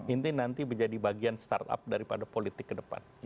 ini nanti menjadi bagian startup daripada politik ke depan